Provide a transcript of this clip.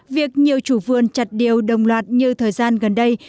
việc nhiều chủ vườn chặt điều đồng loạt như thời gian gần đây